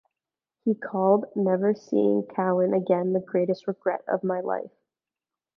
He called never seeing Cowan again the greatest regret of my life.